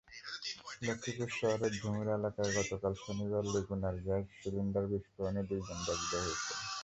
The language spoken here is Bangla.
লক্ষ্মীপুর শহরের ঝুমুর এলাকায় গতকাল শনিবার লেগুনার গ্যাস সিলিন্ডার বিস্ফোরণে দুজন দগ্ধ হয়েছেন।